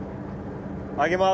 上げます。